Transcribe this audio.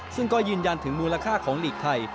ซึ่งก็ยืนยันถึงมูลค่าของหลีกไทย